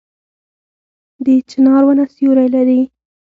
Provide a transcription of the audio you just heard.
د چنار ونه سیوری لري